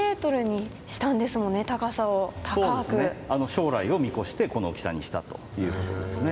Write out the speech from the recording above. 将来を見越してこの大きさにしたということですね。